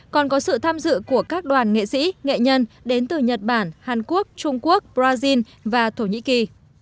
còn có sự tham dự của các đoàn nghệ sĩ nghệ nhân đến từ nhật bản hàn quốc trung quốc brazil và thổ nhĩ kỳ